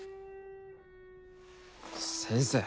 先生